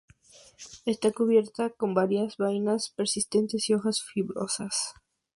Está cubierta con vainas persistentes, y hojas fibrosas.